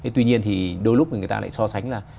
tuy nhiên thì đôi lúc thì người ta lại so sánh là